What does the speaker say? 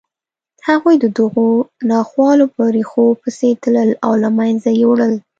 هغوی د دغو ناخوالو په ریښو پسې تلل او له منځه یې وړل